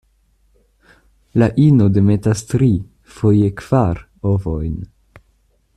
La ino demetas tri, foje kvar, ovojn.